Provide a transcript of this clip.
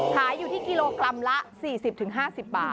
ขายอยู่ที่กิโลกรัมละ๔๐๕๐บาท